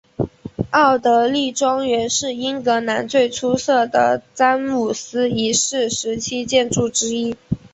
奥德莉庄园是英格兰最出色的詹姆斯一世时期建筑之一。